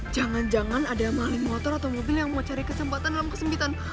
jangan jangan ada maling motor atau mobil yang mau cari kesempatan dalam kesempitan